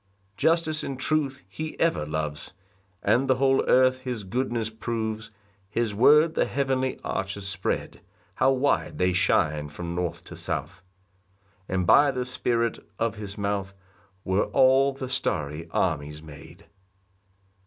2 Justice and truth he ever loves, And the whole earth his goodness proves, His word the heavenly arches spread; How wide they shine from north to south! And by the Spirit of his mouth Were all the starry armies made.